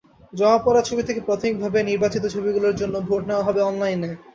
জমা পড়া ছবি থেকে প্রাথমিকভাবে নির্বাচিত ছবিগুলোর জন্য ভোট নেওয়া হবে অনলাইনে।